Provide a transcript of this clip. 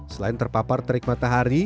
selain terpapar terik matahari